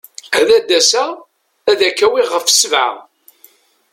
Ad d-aseɣ ad k-awiɣ ɣef sebɛa.